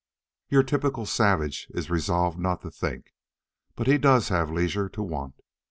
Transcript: Your typical savage is resolved not to think, but he does have leisure to want.